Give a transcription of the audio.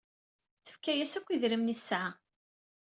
Tefka-as akk idrimen ay tesɛa.